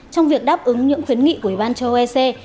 trong việc đáp ứng những khuyến nghị của ủy ban châu âu